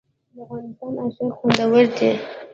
د افغانستان اشک خوندور دي